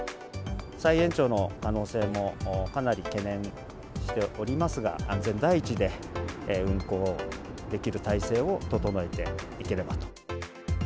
再延長の可能性もかなり懸念しておりますが、安全第一で運航できる体制を整えていければと。